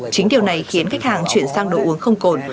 chính điều này khiến khách hàng chuyển sang đồ uống không cồn